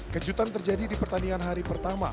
kejutan terjadi di pertandingan hari pertama